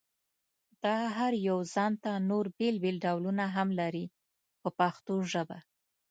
دا هر یو ځانته نور بېل بېل ډولونه هم لري په پښتو ژبه.